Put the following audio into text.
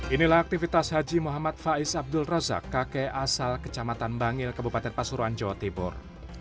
inilah aktivitas haji muhammad faiz abdul rozak kakek asal kecamatan bangil kabupaten pasuruan jawa tibur